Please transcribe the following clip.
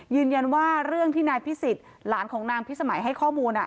ยืนยันว่าเรื่องที่นายพิสิทธิ์หลานของนางพิสมัยให้ข้อมูล